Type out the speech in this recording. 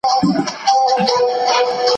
کمپيوټر وړاندوينه کوي.